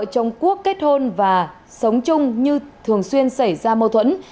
năm hai nghìn một mươi sáu vợ chồng quốc kết hôn và sống chung như thường xuyên xảy ra mâu thuẫn